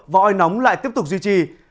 và oi nóng lại tiếp tục duy trì